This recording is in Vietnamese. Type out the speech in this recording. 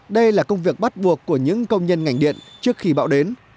đây là công việc bắt buộc của những công nhân ngành điện trước khi bão đến